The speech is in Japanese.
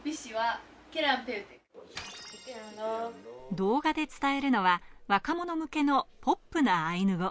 動画で伝えるのは若者向けのポップなアイヌ語。